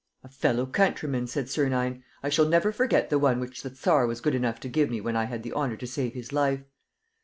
"A fellow countryman," said Sernine. "I shall never forget the one which the Tsar was good enough to give me when I had the honor to save his life."